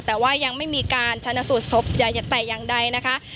แต่ว่ายังไม่มีการชนะสูตรศพแต่อย่างใดนะคะ